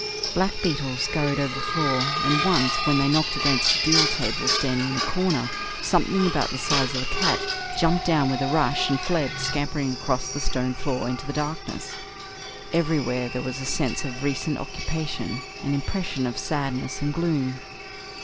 Black beetles scurried over the floor, and once, when they knocked against a deal table standing in a corner, something about the size of a cat jumped down with a rush and fled, scampering across the stone floor into the darkness. Everywhere there was a sense of recent occupation, an impression of sadness and gloom.